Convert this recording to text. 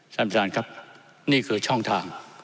ท่านประธานครับนี่คือช่องทาง